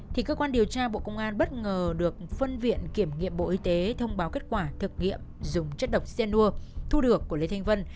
thì cơ quan điều tra bộ công an bất ngờ được phân viện kiểm nghiệm bộ y tế thông báo kết quả thực nghiệm dùng chất độc cyanur thu được của lê thanh vân